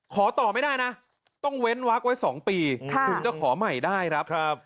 ขอต่อไม่ได้นะต้องเว้นวักไว้๒ปีถึงจะขอใหม่ได้ครับ